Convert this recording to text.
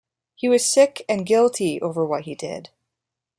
He was sick and guilty over what he did.